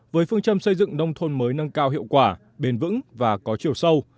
với phương châm xây dựng nông thôn mới nâng cao hiệu quả bền vững và có chiều sâu